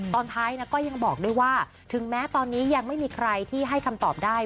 ตอนท้ายก็ยังบอกด้วยว่าถึงแม้ตอนนี้ยังไม่มีใครที่ให้คำตอบได้